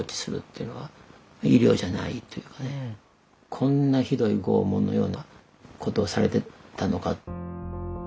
こんなひどい拷問のようなことをされてたのか。